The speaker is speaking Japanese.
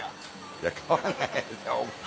いや買わない。